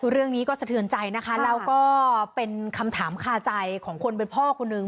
เรื่องนี้ก็สะเทือนใจนะคะแล้วก็เป็นคำถามคาใจของคนเป็นพ่อคนนึง